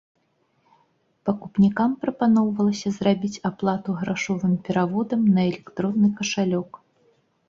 Пакупнікам прапаноўвалася зрабіць аплату грашовым пераводам на электронны кашалёк.